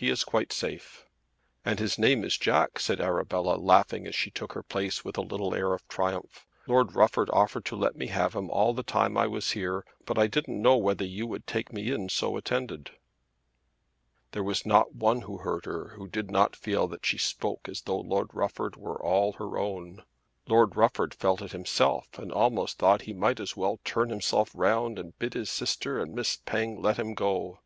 "He is quite safe." "And his name is Jack," said Arabella laughing as she took her place with a little air of triumph. "Lord Rufford offered to let me have him all the time I was here, but I didn't know whether you would take me in so attended." There was not one who heard her who did not feel that she spoke as though Lord Rufford were all her own. Lord Rufford felt it himself and almost thought he might as well turn himself round and bid his sister and Miss Penge let him go.